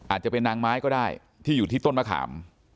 อาจจะเป็นนางไม้ก็ได้ที่อยู่ที่ต้นมะขาม